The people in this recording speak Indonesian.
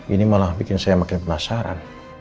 ini malah bikin saya makin penasaran